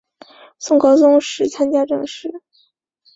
宋高宗时参知政事。